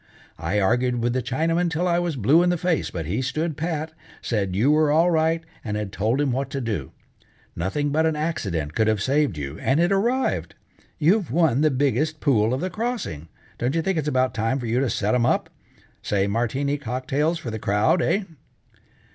I argued with the Chinaman 'til I was blue in the face, but he stood pat, said, you were all right, and had told him what to do. Nothing but an accident could have saved you, and it arrived. You've won the biggest pool of the crossing, don't you think it's about time for you to set 'em up? Say Martini cocktails for the crowd, eh?"